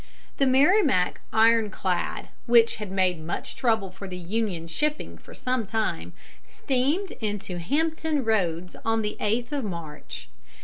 ] The Merrimac iron clad, which had made much trouble for the Union shipping for some time, steamed into Hampton Roads on the 8th of March.